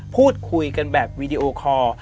พูดคุยกันแบบวีดีโอคอร์